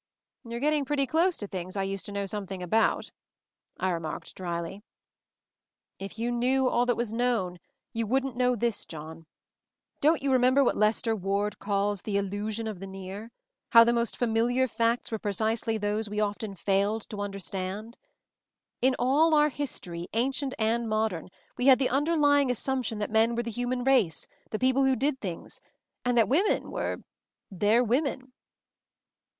"You're getting pretty close to things I used to know something about," I remarked drily. "If you knew all that was known, then, you wouldn't know this, John. Don't you remember what Lester Ward calls 'the illu sion of the near' — how the most familiar !« t MOVING THE MOUNTAIN 189 » facts were precisely those we often failed to understand? In all our history, ancient and modern, we had the underlying asump tion that men were the human race, the peo ple who did things; and that women — were 'their women.'